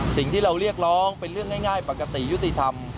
สิ่งที่เราเรียกร้องเป็นเรื่องง่ายปกติยุติธรรม